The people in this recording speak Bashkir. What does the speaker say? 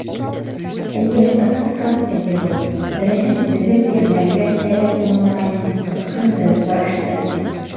Эйе, ысын Франция ере ул. Береһен беҙҙең тирмә эргәһендә лә самалағайным: ҡыҙыҡһынды, һорашты.